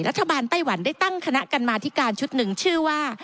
ไต้หวันได้ตั้งคณะกรรมาธิการชุดหนึ่งชื่อว่า